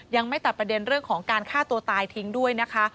ยังไม่ตัดประเด็นเรื่องของการฆ่าตัวตายทิ้งด้วยนะคะ